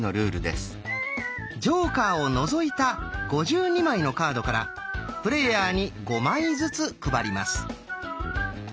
ジョーカーを除いた５２枚のカードからプレーヤーに５枚ずつ配ります。